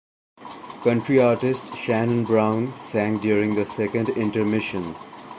Country artist Shannon Brown sang during the second intermission.